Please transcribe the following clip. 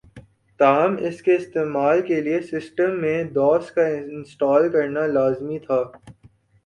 تاہم اس کے استعمال کے لئے سسٹم میں ڈوس کا انسٹال کرنا لازمی تھا